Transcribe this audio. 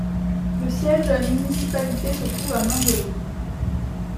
Le siège de la municipalité se trouve à Mindelo.